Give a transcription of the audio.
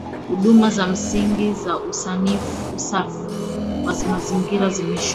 Huduma za msingi za usafi wa mazingira zimeshuka